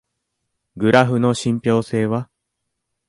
グラフの信憑性は？